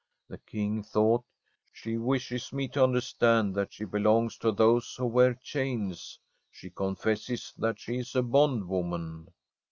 The King thought :* She wishes me to understand that she belongs to those who wear chains. She confesses that she is a bondwoman.'